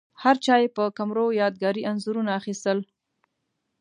هرچا یې په کمرو یادګاري انځورونه اخیستل.